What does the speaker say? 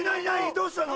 どうしたの？